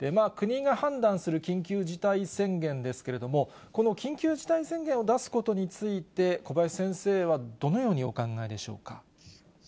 国が判断する緊急事態宣言ですけれども、この緊急事態宣言を出すことについて、小林先生はどのようにお考えでしょうか。